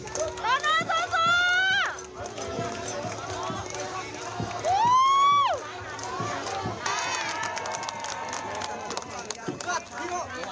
โตโน่นสู้สู้